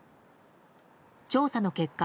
調査の結果